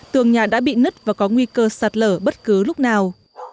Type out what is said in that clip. tường nhà đã bị nứt và có nguy cơ sạt lở bất cứ lúc nào